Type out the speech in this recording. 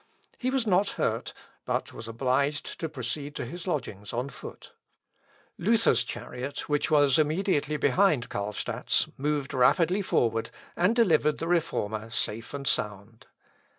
He was not hurt, but was obliged to proceed to his lodgings on foot. Luther's chariot, which was immediately behind Carlstadt's, moved rapidly forward, and delivered the Reformer safe and sound.